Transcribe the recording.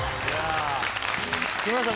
木村さん